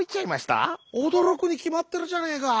「おどろくにきまってるじゃねえか。